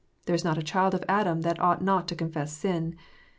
There is not a child of Adam that ought not to confess sin.